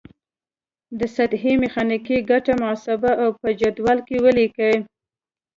د سطحې میخانیکي ګټه محاسبه او په جدول کې ولیکئ.